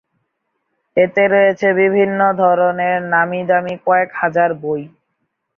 এতে রয়েছে বিভিন্ন ধরনের নামী-দামী কয়েক হাজার বই।